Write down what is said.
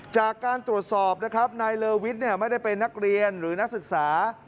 จากการตรวจสอบนะครับนายเลอวิทย์ไม่ได้เป็นนักเรียนหรือนักศึกษา